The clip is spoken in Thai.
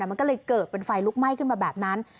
มันก็เลยเกิดเป็นไฟลุกไหม้ขึ้นมาแบบนั้น